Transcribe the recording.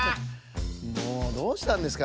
もうどうしたんですか。